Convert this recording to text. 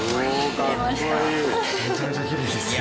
めちゃめちゃきれいですよ。